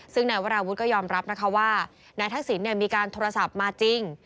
ซึ่งนายวราวุฒิก็ยอมรับนะคะว่านายทักษิณมีการโทรศัพท์มาจริง